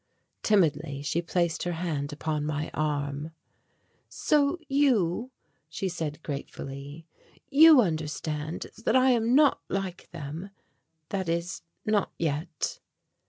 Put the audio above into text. Timidly she placed her hand upon my arm. "So you," she said gratefully, "you understand that I am not like them that is, not yet."